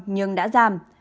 nhưng đã giảm